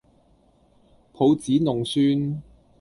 抱子弄孫